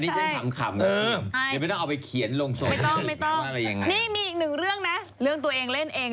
ช่วงตัว๘๐๐อันนี้มีมีอีกหนึ่งเรื่องนะเรื่องตัวเองเล่นเอง